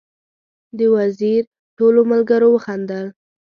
د وزیر ټولو ملګرو وخندل.